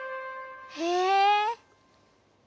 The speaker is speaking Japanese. へえ。